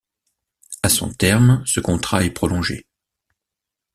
À son terme, ce contrat est prolongé.